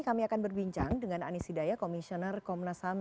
kami akan berbincang dengan anies hidayah komisioner komnas ham